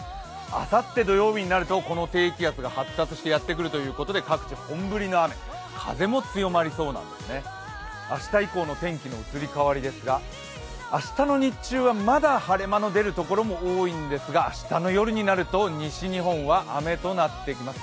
あさって土曜日になるとこの低気圧が発達してやってくるということで各地、本降りの雨、風も強まりそうなんです、明日以降の天気の移り変わりなんですが明日の日中はまだ晴れ間の出るところも多いんですが明日の夜になると西日本は雨となってきます。